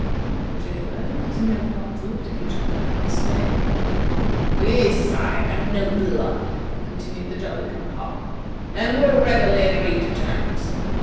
The jailer and his myrmidons looked at each other in dismay. "We sigh for no blood," continued the Jolly cum pop, "and will readily agree to terms.